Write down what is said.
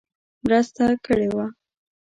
مرسته کړې وه.